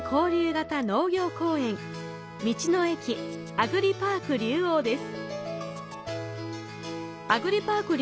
アグリパーク竜王です。